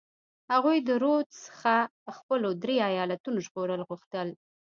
هغوی د رودز څخه د خپلو درې ایالتونو ژغورل غوښتل.